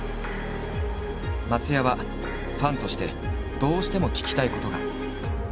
松也はファンとしてどうしても聞きたいことが。